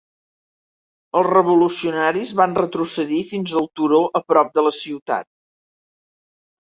Els revolucionaris van retrocedir fins al turó a prop de la ciutat.